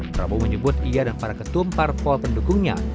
prabowo menyebut ia dan para ketum parpol pendukungnya